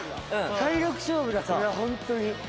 体力勝負だこれはホントに。